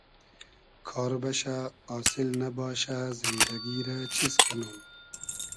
کار بئشۂ آسیل نئباشۂ زیندئگی رۂ چیز کئنوم